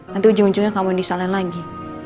nanti ujung ujungnya kamu disalahin lagi